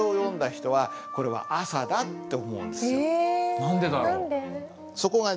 何でだろう？